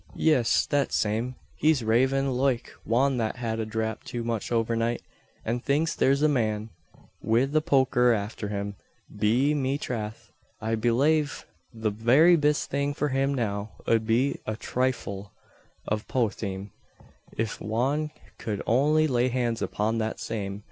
"Yis, that same. He's ravin' loike wan that had a dhrap too much overnight, an thinks thare's the man wid the poker afther him. Be me trath, I belave the very bist thing for him now ud be a thrifle av potheen if wan cud only lay hands upon that same.